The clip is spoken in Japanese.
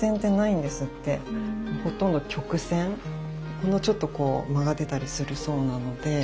ほんのちょっとこう曲がってたりするそうなので。